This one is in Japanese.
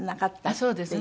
そうですね。